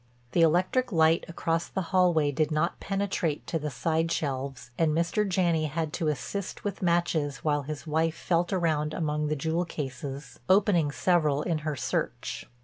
The electric light across the hallway did not penetrate to the side shelves and Mr. Janney had to assist with matches while his wife felt round among the jewel cases, opening several in her search.